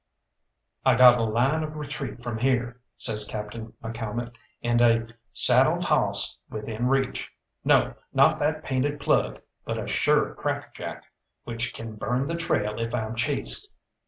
"I got a line of retreat from here," says Captain McCalmont, "and a saddled hawss within reach. No, not that painted plug, but a sure crackerjack, which can burn the trail if I'm chased.